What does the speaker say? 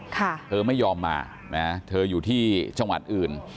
เธอไม่ยอมมาเธออยู่ที่ชมัดอื่น